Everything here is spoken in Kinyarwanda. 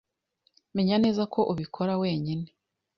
Menya neza ko ubikora wenyine.